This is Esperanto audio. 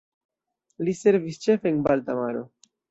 Li servis ĉefe en la Balta Maro.